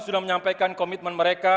sudah menyampaikan komitmen mereka